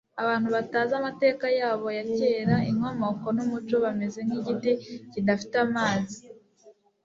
abantu batazi amateka yabo ya kera, inkomoko n'umuco bameze nk'igiti kidafite imizi